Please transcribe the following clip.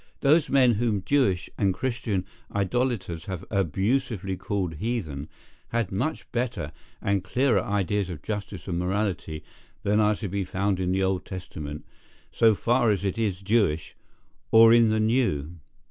Those men whom Jewish and Christian idolators have abusively called heathen, had much better and clearer ideas of justice and morality than are to be found in the Old Testament, so far as it is Jewish, or in the New.